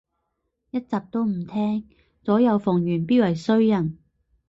一集都唔聼，左右逢源必為衰人